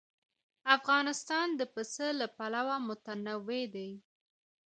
افغانستان د پسه له پلوه متنوع دی.